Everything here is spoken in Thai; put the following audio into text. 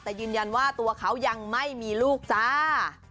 แต่ยืนยันว่าตัวเขายังไม่มีลูกจ้า